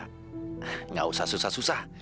tidak perlu susah susah